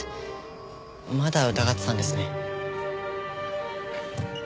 まだ疑ってたんですね。